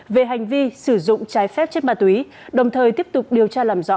về hành vi sử dụng trái phép chất ma túy đồng thời tiếp tục điều tra làm rõ